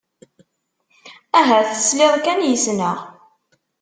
Ahat tesliḍ kan yes-neɣ.